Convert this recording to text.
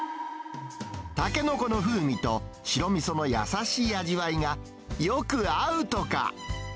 タケノコの風味と、白みその優しい味わいが、よく合うとか。